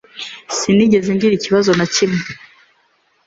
Sinigeze ngira ikibazo na kimwe.